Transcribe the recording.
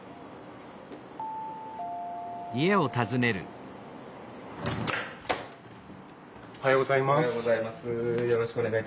おはようございます。